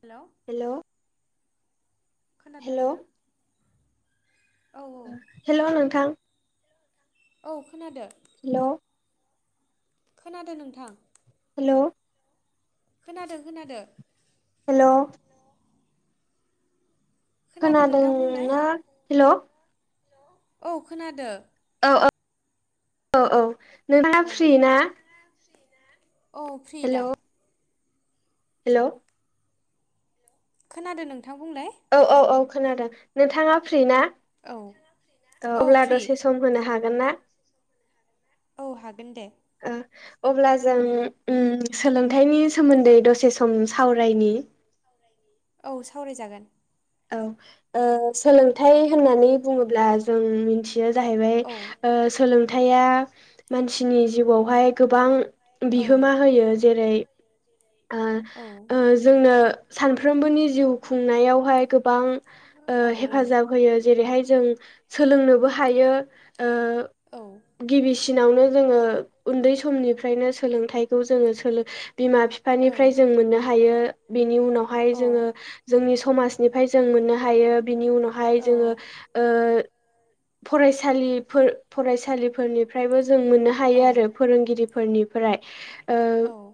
Hello hello खोनादोना नोंथां औ औ हेल' नोंथां औ खोनादो हेल' खोनादो नोंथां हेल' खोनादों खोनादो हेल' खोनादो नोंथां बुंलाय खोनादोंना हेल' औ खोनादो औ औ औ औ नोंथा औ फ्रि ना औ फ्रि दा हेल' खोनादों नोंथां बुंलाय औ औ खोनादों नोंथाङा फ्रि ना औ औ अब्ला दसे सम होनो हा गोनना औ हागोन दे अब्ला जों ओम सोलोंथाइनि सोमोन्दै दसे सम सावरायनि [inaudible] [unintelligible] औ सावरायजागोन औ ओ सोलोंथाइ होननानै बुङोब्ला जों मिथि बियो औ जाहैबाय सोलोंथायाइया मानसिनि जिउआवहाय गोबां औ बिहोमा होयो जेरै ओ औ ओ जोंनो सानफ्रोमबोनि जिउ खुंनायावहाय गोबां ओ औ हेफाजाब होयो जेरैहाय जों सोलोंनोबो हायो ओ औ औ गिबिसि दिनावनो जोङो उन्दै समनिफ्रायनो सोलोंथाइखौ जोङो सोलो बिमा औ बिफानिफ्राय जों मोननो हायो बेनि उनावहाय जोङो जोंनि समाज निफ्राय जों मोननो हायो बिनि उनावहाय जोङो औ ओ फरायसालिफोर फरायसालिफोरनि निफ्रायबो जों मोननो हायो आरो फोरोंगिरिफोरनिफ्राय ओ औ औ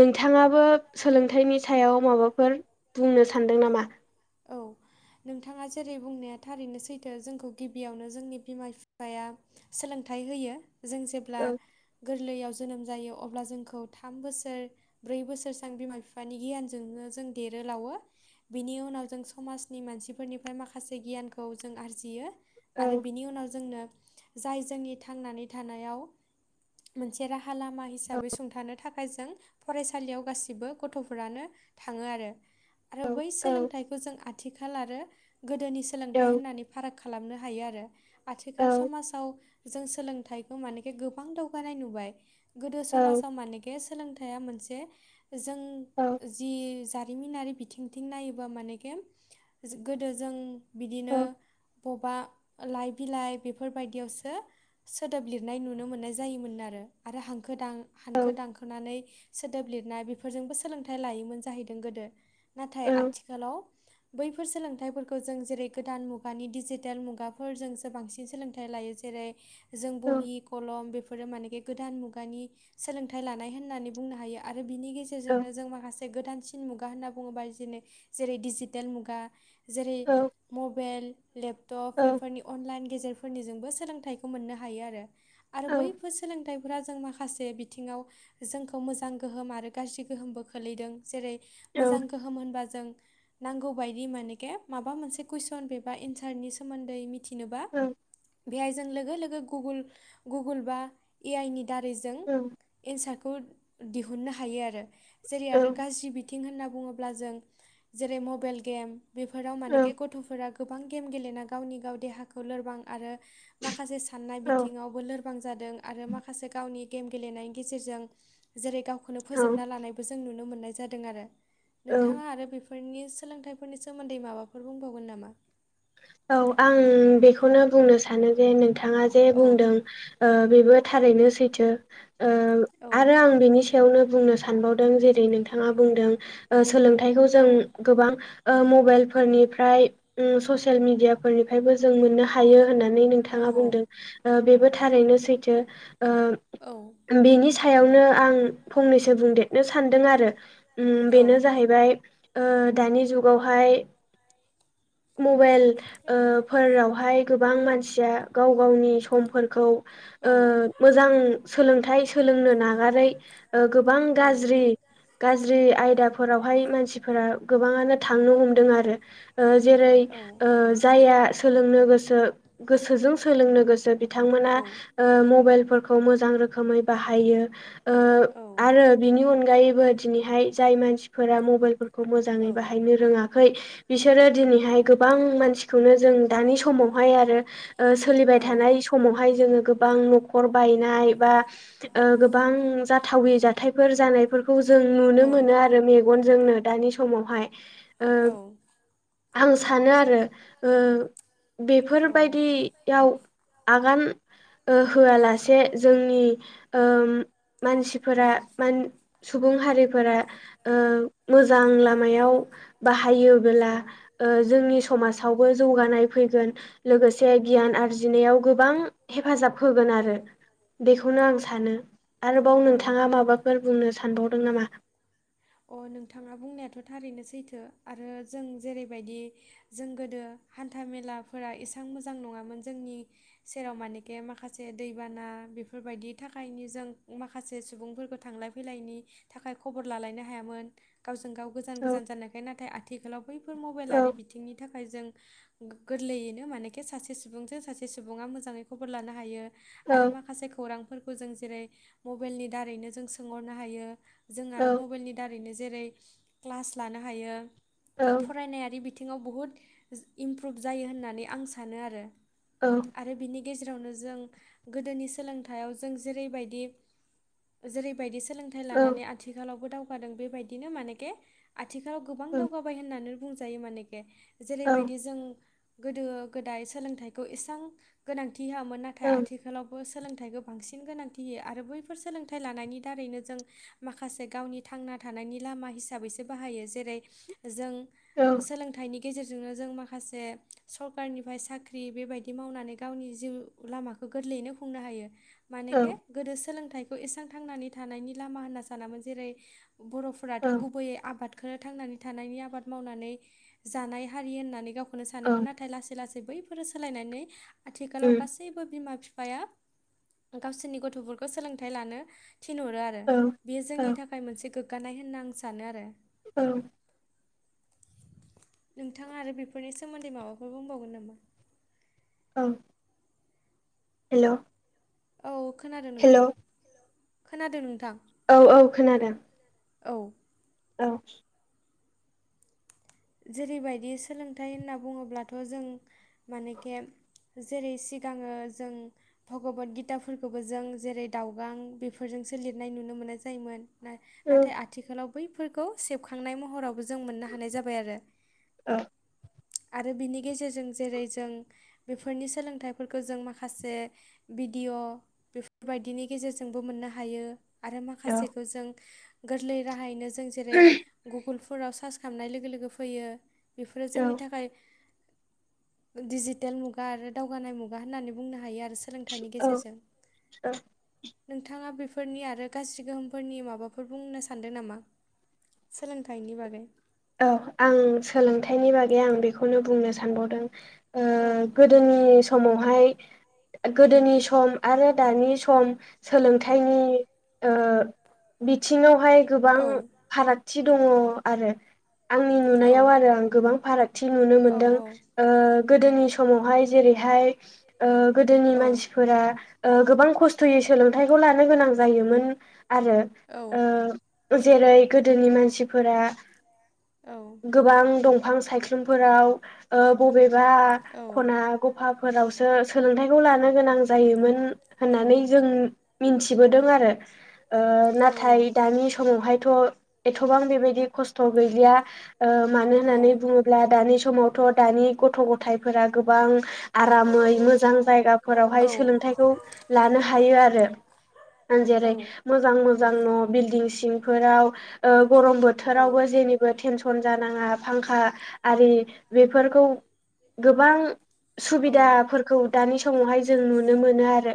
नोंथाङाबो सोलोंथाइनि सायाव माबाफोर बुंनो सान्दों नामा? [inaudible] [unintelligible] औ नोंथाङा जेरै बुंनाया थारैनो सैथो जोंखौ गिबियावनो जोंनि बिमा बिफाया सोलों थाइ होयो जों जेब्ला औ गोरलैआव जोनोम जायो अब्ला जोंखौ थाम बोसोर ब्रै बोसोरसां बिमा बिफानि गियानजोंनो जों देरो लावो बिनि उनाव जों समाजनि मानसिफोरनिफ्राय माखासे गियानखौ जों आरजियो आरो औ बिनि उनाव जोंनो जाय जोंनि थांनानै थानायाव मोनसे रा हा लामा औ हिसाबै सुंथानो था खाय जों फरायसालियाव गासिबो गथ'फोरानो थाङो आरो आरो औ बै औ सोलोंथाइ जों आथिखाल आरो गोदोनि औ सोलोंथाइ होननानै फाराग खालामनो हायो आरो। औ आथिखाल समाजाव जों सोलोंथाइखौ मानेखि गोबां दावगानाय नुबाय गोदो औ समाजाव मानेखि सोलोंथाइया मोनसे जों औ जि जा रिमिनारि बिथिंथिं नायोबा मानेके गोदो जों औ बिदिनो बबा लाइ बिलाइ बेफोरबायदियावसो सोदोब लिरनाय नुनो मोननाय जायोमोन आरो। आरो हांखो दां औ हांखो दांखोनानै सोदोब लिरनाय बेफोरजोंबो सोलोंथाइ लायोमोन जाहैदों गोदो नाथाय आथिखालाव बैफोर सोलोंथाइफोरखौ जों जेरै गोदान मुगानि डिजिटेल मुगाफोरजोंसो बांसिन सोलोंथाइ ला हायो जेरै जों बहि कलम बेफोरो मानेकि गोदान मुगानि सोलोंथाइ लानाय होननानै बुंनो हायो आ रो बिनि गेजेरजोंनो जों माखासे गोदानसिन मुगा होनना बुङोबा जेरै जेरै दिजि टेल मुगाजेरै मबाइल लेपटप बेफोरनि अनलाइन गेजेरफोरनिजोंबो सोलोंथाइखौ मोननो हायो आरो आरो बैफोर सोलोंथाइ फ्रा जों माखासे बिथिङाव जोंखौ मोजां गोहोम आरो गाज्रि गोहोमबो खोलैदों। जेरै मोजां गोहोम होनबा जों नांगौ बायदि मानेके माबा मोनसे कुइसन बेबा एन्सारनि सोमोन्दै मि थिनोबा बेहाय जों लोगो लोगो गुगोल बा ए आइ नि दारैजों एन्सारखौ दिहुननो हायो आरो जेरै आरो गाज्रि बि थिं होनना बुङोब्ला जों जेरै मबाइल गेम बेफोराव मानेे गथ'फोरा गोबां गेम गेलेना गावनि गाव देहाखौ लोरबां आरो माखासे साननाय बिथिङावबो लोरबां जादों आरो माखासे गावनि गेम गेलेनायनि गेजेरजों जेरै गावखौनो औ फोजोबना लानायबो जों नुनो मोननाय जादों आरो औ नोंथाङा आरो बेफोरनि सोलोंथाइफोरनि सोमोन्दै माबाफोर बुंबावगोन नामा? औ आं बेखौनो बुंनो सानो जे नोंथाङा जे औ बुंदों ओ बेबो थारैनो सैथो ओ औ आरो आं बेनि सायावनो बुंनो सानबावदों जेरै नोंथाङा बुंदों ओ सोलोंथाइखौ जों औ गोबां ओ मबाइलफोरनिफ्राय उम ससियेल मिडियाफोरनिफ्रायबो जों मोननो हायो होननानै औ नोंथाङा बुंदों। ओ बेबो थारैनो सैथो ओ बेनि सायावनो आं फंनैसो बुंदेरनो सान्दों आरो बेनो जाहैबाय ओ दानि जुगावहाय मबाइल ओ फोरावहाय गोबां मानसिया गाव गावनि समफोरखौ ओ मोजां सोलोंथाइ सोलोंनो नागारै ओ गोबां गाज्रि गाज्रि आयदाफोरावहाय मानसिफोरा गोबाङानो थांनो हमदों आरो ओ जेरै ओ जाया सोलोंनो गोसो गोसोजों सोलोंनो गोसो बिदि बिथांमोना ओ मबाइलफोरखौ मोजां रोखोमै बाहायो। ओ आरो बिनि अनगायैबो दिनैहाय जाय मानसिफोरा मबाइल खौ मोजाङै बाहायनो रोङाखै बिसोरो दिनैहाय गोबां मानसिखौनो जों दानि समावहाय आरो ओ सोलिबाय थानाय समावहाय जोङो गोबां न'खर बायनाय बा ओ‌ गोबां जाथावै जाथायफोर जानाय फोर खौ जों नुनो मोनो आरो मेगनजोंनो दानि समावहाय ओ औ आं सानो आरो ओ बेफोरबायदि याव आगान ओ होआलासे जोंनि उम मानसिफोरा मान सुबुं सुबुं हारिफोरा ओ मोजां लामायाव बाहायोबोला ओ जोंनि औ समाजावबो जौगानाय फैगोन लोगोसे गियान आरजिनायाव गोबां हेफाजाब होगोन आरो बेखौनो आं सानो आरोबाव औ नोंथाङा माबाफोर। बुंनो सानबावदों नामा? अ नोंथाङा बुंनायाथ' थारैनो सैथो आरो जों जेरैबायदि जों गोदो हान्था मेलाफोरा एसां मोजां नङामोन जोंनि सेराव मानेके माखासे दैबाना। बेफोरबायदि थाखायनि जों माखासे सुबुंफोरखौ थांलाय फैलायनि थाखाय खबर लालायनो हाया। हायामोन गावजों गाव गोजान औ गोजान जानायखाय नाथाय आथिखालाव बैफोर औ मबेलारि बिथिंनि थाखाय। थाखाय जों गोरलैयैनो मानेके सासे सुबुंजों सासे सुबुङा मोजाङै खबर लानो हायो। औ आरो माखासे खौरांफोरखौ जों जेरै मबेलनि दारैनो जों सोंहरनो हायो। जों औ आरो मबेलनि दारैनो जेरै क्लास लानो हायो औ फरायनायारि बिथिं थिङाव बुहुत इमप्रुभ जायो होननानै आं सानो आरो आरो बिनि गेजेरावनो जों गोदोनि सोलोंथाइयाव जों जेरै बायदि जेरै बायदि सो सोलोंथाइ औ लानानै आथिखालावबो दावगादों बेबायदिनो मानेके आथिखालाव गोबां औ दावगाबाय होननानै बुंजायो मानेके औ जेरैबायदि जों गोदो गोदाय सोलोंथाइखौ इसां गोनांथि होआमोन औ नाथाय आथिखालावबो सो सोलोंथाइखो बांसिन गोनांथि आरो बैफोर सोलोंथाइ लानायनि दारैनो जों माखासे गावनि थांना थानायनि लामा हिसाबैसो बाहायो जेरै जों औ सोलोंथाइनि गेजेरजोंनो जों माखासे सरकारनिफ्राय साख्रि बेबायदि मावनानै गावनि जिउ लामाखौ गोरलैयैनो खुंनो हायो औ मानेके औ गोदो सोलोंथाइखौ एसां थांनानै थानायनि लामा होनना सानामोन जेरै बर'फोराथ' गुबैयै आबाद। खो थांनानै थानायनि आबाद मावनानै जानाय हारि होननानै गावखौनो सानोमोन उम नाथाय लासै लासै बैफोरो सोलायनानै आथिखालाव गासैबो बिमा बिफाया गावसोरनि गथ'फोरखौ सोलोंथाइ लानो थिनहरो आरो औ बेयो जोंनि थाखाय। मोनसे गोग्गानाय होनना आं सानो आरो। औ। नोंथाङा आरो बेफोरनि सोमोन्दै माबाफोर बुंबावगोन नामा? औ हेल' औ खोनादों हेल' नोंथां खोनादों नोंथां औ औ खोनादों औ औ जेरैबायदि सोलोंथाइ होनना बुङोब्लाथ' जों मानेके जेरै सिगाङो जों भगबत गिताफोरखौबो जों जेरै दावगां बेफोरजों दोंसो लिरनाय नुनो मोनाय जायोमोन औ नाथाय आथिखालाव बैफोरखौ सेबखांनाय महरावबो जों मोन बाय आरो आरो बिनि गेजेरजों जेरै जों बेफोरनि सोलोंथाइफोरखौ जों माखासे भि भिडिअ बेफोरबायदिनि गेजेरजोंबो मोननो हायो। आरो औ माखासेखौ जों गोरलै राहायैनो जों जेरै गुगोलफोराव सार्च खामनाय लोगो लोगो। लोगो फैयो बेफोरो जोंनि औ थाखाय। डिजिटेल मुगा आरो दावगानाय मुगा होननानै बुंनो हायो आरो। आरो सोलोंथाइनि औ गेजेरजों नोंथाङा बेफोरनि आरो गाज्रि गोहोमफोरनि माबाफोर बुंनो सान्दों नामा? सोलोंथाइनि बागै औ आं सोलोंथाइनि बागै आं बेखौनो बुंनो सानबावदों ओ औ गोदोनि समावहाय गोदोनि सम आरो दानि सम सोलोंथाइनि ओ बिथिङाव बेहाय गोबां औ फारागथि दङ आरो आंनि औ नुनायाव आरो आं गोबां फाराग थि नुनो औ मोनदों ओ गोदोनि समावहाय जेरैहाय ओ गोदोनि औ मानसिफोरा ओ गोबां खस्थ' सोलोंथाइखौ लानो गोनां जायोमोन आरो औ ओ जेरै गोदोनि मानसिफोरा औ गोबां दंफां बिफां सायख्लुमफोराव ओ बबेबा औ खना गफाफोराव सोलोंथाइखौ लानो गोनां जायोमोन औ होननानै जों मिन्थिबोदों आरो ओ नाथाय दानि समावहाय थ एथ'बां बेबायदि खस्थ गैलिया ओ मानो होननानै बुङोब्ला दानि सम समावथ' दानि गथ' गथायफोरा गोबां आरामै मोजां औ जायगाफोरावहाय सोलोंथायखौ लानो हायो आरो। जेरै मोजां मोजां न बिल्डिं सिंफोराव ओ गरम बोथोरावबो जेनिबो टेनसन जानाङा फांखा आरि बेफोरखौ गोबां सुबिदाफोरखौ दानि समावहाय जों नुनो मोनो आरो।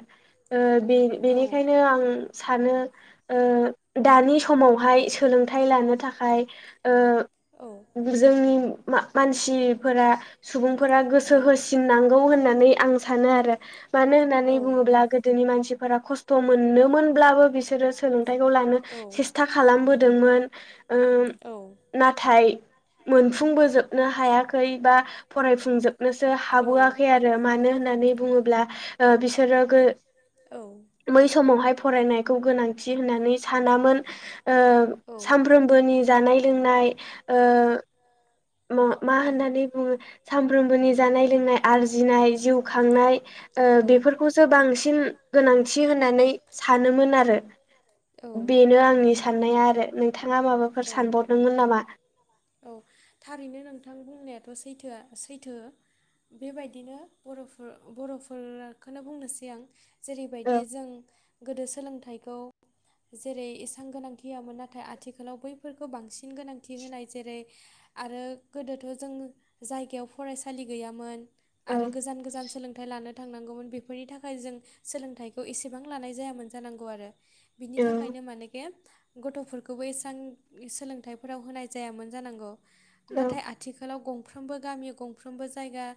ओ बे बेनिखायनो आं सानो ओ ओ दानि समावहाय सोलोंथाइ लानो थाखाय ओ जोंनि मा मानसिफोरा सुबुंफोरा गोसो होसिननांगौ होननानै आं सानो आरो मानो होननानै बुङोब्ला गोदोनि मानसिफोरा खस्थ' थ' मोनोमोनब्लाबो बिसोरो सोलों थाइखौ लानो सेस्था खालामबोदोंमोन ओ नाथाय मोन सुफुंबोजोबनो हायाखै बा फरायफुंजोबनोसो हाबोआखै आरो मानो होननानै बुङो बुंब्ला ओ बिसोरो गो बै समावहाय फरायनायखौ गोनांथि होननानै सानामोन ओ सामफ्रोम बोनि जानाय लोंनाय ओ मा मा होननानै बुङो सानफ्रोमबोनि जानाय लोंनाय आरजिनाय, जिउ खांनाय ओ औ बेफोरखौसो बांसिन गोनांथि होननानै सानोमोन आरो। बेनो आंनि साननाया आरो नोंथाङा माबाफोर औ सानबावदोंमोन नामा? औ थारैनो नोंथां बुंनायाथ' सैथोआ सैथो बेबायदिनो बर'फोर बर'फोरखौनो बुंनोसै आं जेरैबायदि औ जों गोदो सोलोंथाइखौ जेरै इसां गोनांथि होआमोन नाथाय आथिखालाव बैफोरखौ बांसिन गोनांथि होनाय जेरै आरो गोदोथ' जों जायगायाव फरायसा सालि गैयामोन औ आरो गोजान गोजान सोलोंथाइ लानो थांनांगौमोन बेफोरनि थाखाय जों सोलोंथाइखौ एसेबां लानाय जायामोन जानांगौ आरो। बिनि औ थाखायनो माने गथफोरखौबो एसबां सोलोंथाइफोराव होनाय जायामोन जानांगौ। औ नाथाय आथिखालाव गंफ्रोमबो गामियाव गं मोनफ्रोमबो जायगा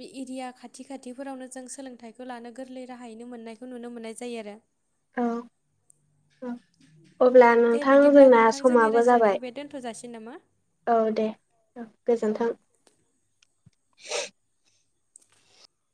बे एरिया खाथि खाथिफोरावनो जों सोलोंथाइखौ लानो गोरलै राहायैनो मोननायखौ नुनो मोनो। नुनो मोननाय जायो आरो। औ औ अब्ला दे नोंथां जोंना समाबो जाबाय। होनदो मा औ दे औ गोजोन्थों।